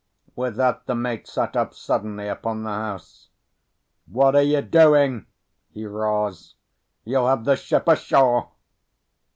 With that, the mate sat up suddenly upon the house. "What are you doing?" he roars. "You'll have the ship ashore!"